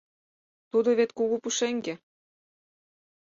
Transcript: Тудо вет – кугу пушеҥге.